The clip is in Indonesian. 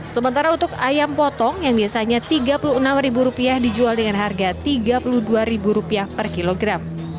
sementara untuk ayam potong yang biasanya rp tiga puluh enam dijual dengan harga rp tiga puluh dua per kilogram